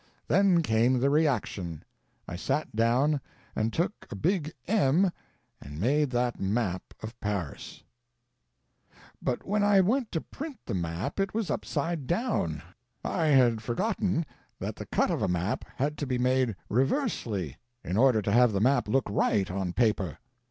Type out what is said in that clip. Then came the reaction. I sat down and took a big M and made the map of Paris. "But when I went to print the map it was upside down. I had forgotten that the cut of a map had to be made reversely in order to have the map look right on paper.